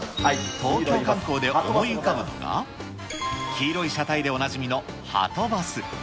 東京観光で思い浮かぶのが、黄色い車体でおなじみのはとバス。